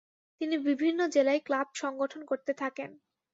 তিনি বিভিন্ন জেলায় ক্লাব সংগঠন করতে থাকেন।